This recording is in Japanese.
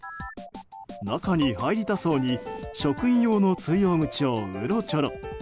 中に入りたそうに職員用の通用口をうろちょろ。